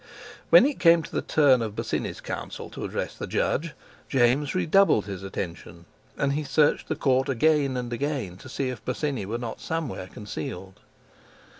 When it came to the turn of Bosinney's Counsel to address the Judge, James redoubled his attention, and he searched the Court again and again to see if Bosinney were not somewhere concealed.